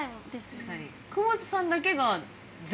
確かに。